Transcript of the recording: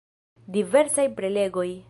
Diversaj prelegoj.